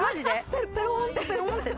ペロンって。